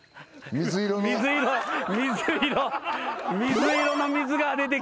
水色の水が出てきた。